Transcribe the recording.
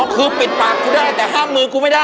คือปิดปากกูได้แต่ห้ามมือกูไม่ได้